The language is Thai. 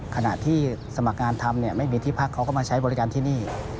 ขณะที่สมัครงานทำไม่มีที่พักเขาก็มาใช้บริการที่นี่